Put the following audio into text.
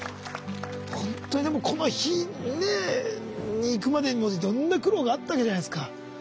ほんとにでもこの日ねえにいくまでにもいろんな苦労があったわけじゃないですか。